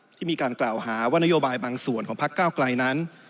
ที่มีการกล่าวหาว่านโยบายบางส่วนของพักเก้าไกลนั้น